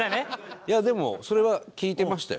いやでもそれは聞いてましたよ。